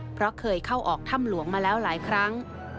เพราะเคยเข้าออกถ้ำหลวงมาแล้วหลายครั้ง